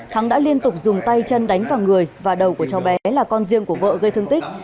thắng đã liên tục dùng tay chân đánh vào người và đầu của cháu bé là con riêng của vợ gây thương tích